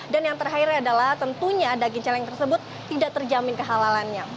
dan yang terakhir adalah tentunya daging celeng tersebut tidak terjamin kehalalannya